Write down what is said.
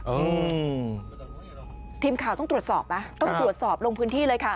อืมทีมข่าวต้องตรวจสอบไหมต้องตรวจสอบลงพื้นที่เลยค่ะ